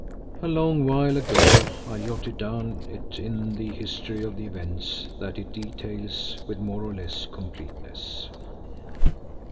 A long while ago I jotted down in it the history of the events that it details with more or less completeness.